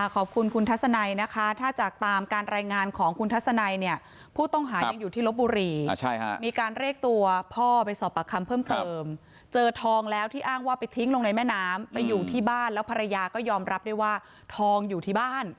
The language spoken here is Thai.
ขอบคุณคุณทัศนัยนะคะถ้าจากตามการรายงานของคุณทัศนัยเนี่ยผู้ต้องหายังอยู่ที่ลบบุรีมีการเรียกตัวพ่อไปสอบปากคำเพิ่มเติมเจอทองแล้วที่อ้างว่าไปทิ้งลงในแม่น้ำไปอยู่ที่บ้านแล้วภรรยาก็ยอมรับด้วยว่าทองอยู่ที่บ้าน